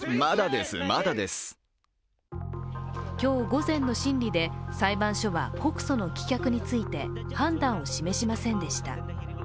今日午前の審理で裁判所は告訴の棄却について、判断を示しませんでした。